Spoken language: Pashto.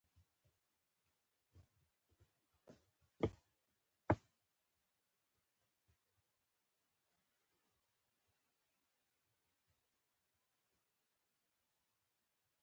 يو بل روايت ديه چې کوم هندو په غزني کښې اوسېده.